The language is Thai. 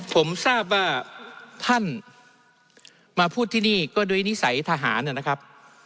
ผมทราบว่าท่านมาพูดที่นี่ก็ด้วยนิสัยทหารนะครับ